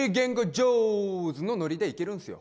ジョーズのノリでいけるんすよ